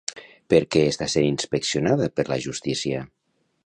Per què està sent inspeccionada per la justícia?